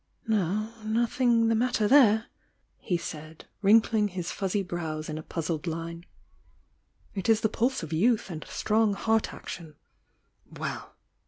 "No^nothing the matter there!" he said, wrin kling his fuzzy brows in a puzzled line. "It is the pulseof youth and strong heart action. Well!